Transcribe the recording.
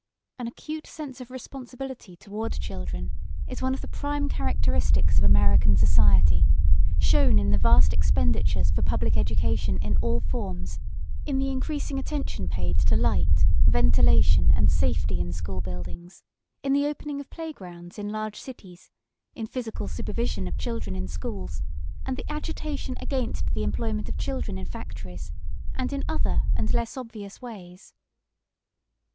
An acute sense of responsibility toward children is one of the prime characteristics of American society, shown in the vast expenditures for public education in all forms, in the increasing attention paid to light, ventilation, and safety in school buildings, in the opening of play grounds in large cities, in physical supervision of children in schools, and the agitation against the employment of children in factories, and in other and less obvious ways.